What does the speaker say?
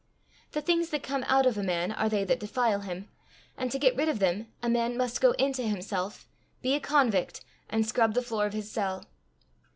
The things that come out of a man are they that defile him, and to get rid of them, a man must go into himself, be a convict, and scrub the floor of his cell.